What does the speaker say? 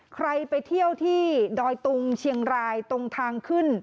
ใครไปเที่ยวที่ดอยตุงเชียงรายตรงทางขึ้น